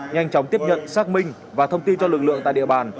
nhanh chóng tiếp nhận xác minh và thông tin cho lực lượng tại địa bàn